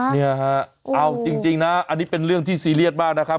เนี่ยฮะเอาจริงนะอันนี้เป็นเรื่องที่ซีเรียสมากนะครับ